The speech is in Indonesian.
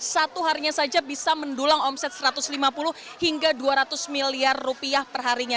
satu harinya saja bisa mendulang omset satu ratus lima puluh hingga dua ratus miliar rupiah perharinya